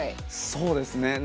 そうですね。